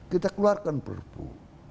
kita keluarkan perpu